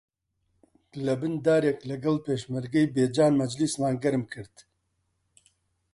لەبن دارێک لەگەڵ پێشمەرگەی بێجان مەجلیسمان گەرم کرد